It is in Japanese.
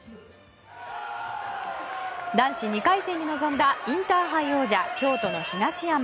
男子２回戦に臨んだインターハイ王者京都の東山。